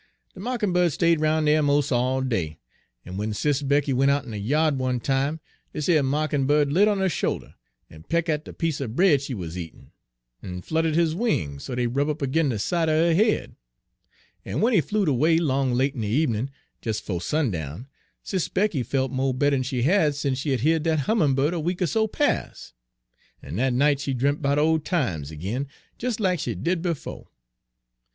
De mawkin' bird stayed roun' dere 'mos' all day, en w'en Sis' Becky went out in de ya'd one time, dis yer mawkin' bird lit on her shoulder en peck' at de piece er bread she wuz eatin', en fluttered his wings so dey rub' up agin de side er her head. En w'en he flewed away 'long late in de ebenin', des 'fo' sundown, Sis' Becky felt mo' better'n she had sence she had heared dat hummin' bird a week er so pas'. En dat night she dremp 'bout ole times ag'in, des lack she did befo'.